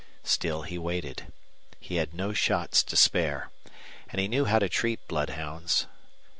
Still he waited. He had no shots to spare. And he knew how to treat bloodhounds.